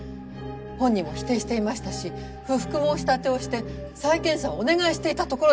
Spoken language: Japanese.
本人も否定していましたし不服申立てをして再検査をお願いしていたところです！